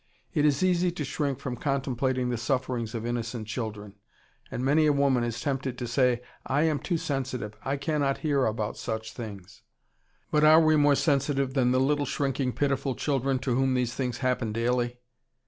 It is easy to shrink from contemplating the sufferings of innocent children, and many a woman is tempted to say, "I am too sensitive, I cannot hear about such things." But are we more sensitive than the little, shrinking, pitiful children to whom these things happen daily?